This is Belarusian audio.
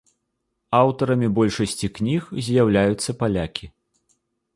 Аўтарамі большасці кніг з'яўляюцца палякі.